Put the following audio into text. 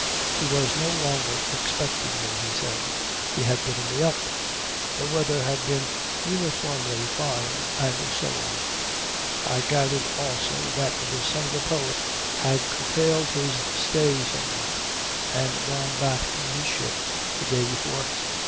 He was no longer expecting me, he said. He had given me up. The weather had been uniformly fine and so on. I gathered also that the son of the poet had curtailed his stay somewhat and gone back to his ship the day before.